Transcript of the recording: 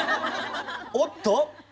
おっと。